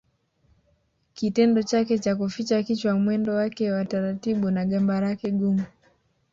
Kitendo chake cha kuficha kichwa mwendo wake wa taratibu na gamba lake gumu